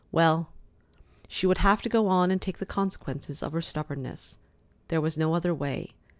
Well, she would have to go on and take the consequences of her stubbornness. There was no other way.